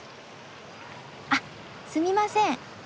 あっすみません。